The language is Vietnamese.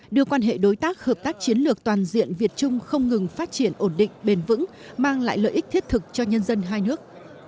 đưa quan hệ đối tác hợp tác chiến lược toàn diện việt trung không ngừng phát triển ổn định bền vững mang lại lợi ích thiết thực cho nhân dân hai nước